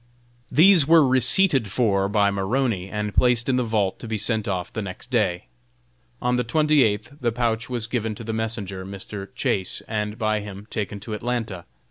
These were receipted for by Maroney, and placed in the vault to be sent off the next day. On the twenty eighth the pouch was given to the messenger, Mr. Chase, and by him taken to Atlanta.